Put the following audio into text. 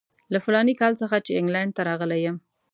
له فلاني کال څخه چې انګلینډ ته راغلی یم.